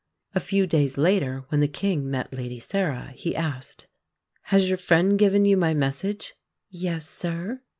A few days later when the King met Lady Sarah, he asked: "Has your friend given you my message?" "Yes, sir."